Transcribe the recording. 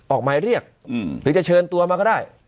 ออกหมายเรียกหรือจะเชิญตัวมาก็ได้